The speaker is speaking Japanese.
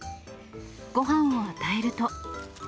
ごはんを与えると。